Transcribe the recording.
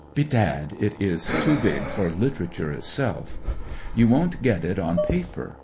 Bedad, it s i big lOr literature itself. You won't ^et it on paper.